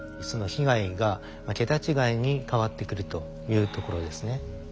その被害が桁違いに変わってくるというところですね。